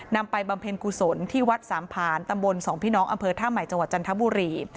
ไปบำเพ็ญกุศลที่วัดสามผ่านตำบลสองพี่น้องอำเภอท่าใหม่จังหวัดจันทบุรี